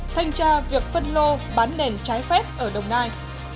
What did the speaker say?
thanh tra việc phân lô bán nền trái phép ở đồng nai